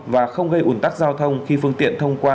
và không gây ủn tắc giao thông khi phương tiện thông qua